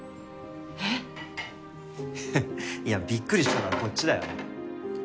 ええっ！いやびっくりしたのはこっちだよ。